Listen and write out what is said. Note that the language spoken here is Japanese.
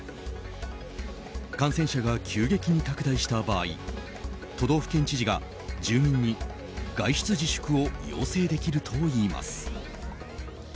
感染者が急激に拡大した場合都道府県知事が住民に外出自粛を要請できるといいます。